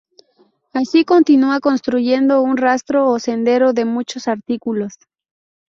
Así continua, construyendo un rastro o sendero de muchos artículos.